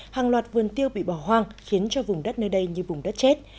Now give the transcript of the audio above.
hàng loạt vườn tiêu bị bỏ hoang khiến cho vùng đất nơi đây như vùng đất chết